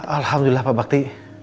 alhamdulillah pak bakti